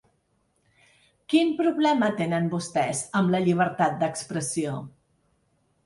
Quin problema tenen vostès amb la llibertat d’expressió?